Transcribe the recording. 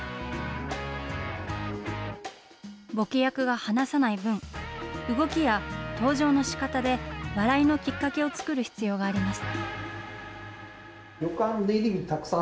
ボケ役が話さない分、動きや登場のしかたで笑いのきっかけを作る必要があります。